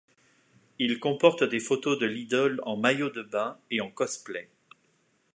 Il comporte des photos de l'idole en maillot de bain et en cosplay.